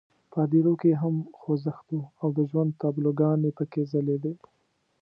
په هدیرو کې یې هم خوځښت وو او د ژوند تابلوګانې پکې ځلېدې.